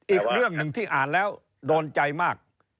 อีกเรื่องหนึ่งที่อ่านแล้วโดนใจมาก